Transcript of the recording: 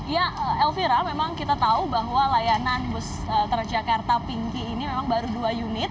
ya elvira memang kita tahu bahwa layanan bus transjakarta pinky ini memang baru dua unit